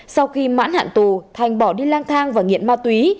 sau khi mãn hạn tù thành bỏ đi lang thang và nghiện ma túy